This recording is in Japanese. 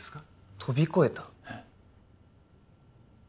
飛び越えた？